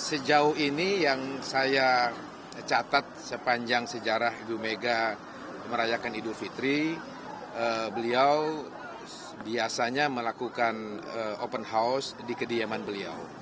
sejauh ini yang saya catat sepanjang sejarah ibu mega merayakan idul fitri beliau biasanya melakukan open house di kediaman beliau